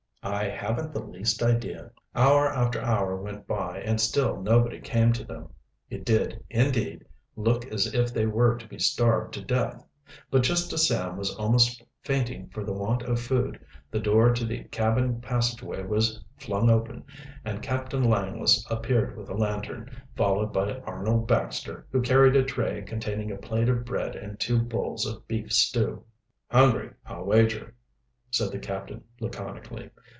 "I haven't the least idea." Hour after hour went by, and still nobody came to them. It did, indeed, look as if they were to be starved to death. But just as Sam was almost fainting for the want of food, the door to the cabin passageway was flung open, and Captain Langless appeared with a lantern, followed by Arnold Baxter, who carried a tray containing a plate of bread and two bowls of beef stew. "Hungry, I'll wager," said the captain laconically.